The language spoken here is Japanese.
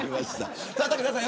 武田さん